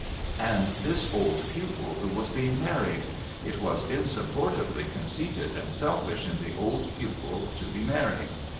And this old pupil who was being married. It was insupportably conceited and selfish in the old jmpil to be married.